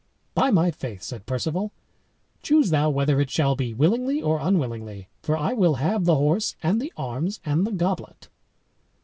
"By my faith," said Perceval, "choose thou whether it shall be willingly or unwillingly, for I will have the horse and the arms and the goblet."